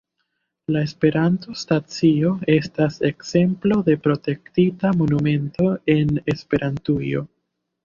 La Esperanto-Stacio estas ekzemplo de protektita monumento en Esperantujo.